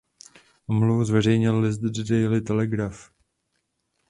Omluvu zveřejnil list "The Daily Telegraph".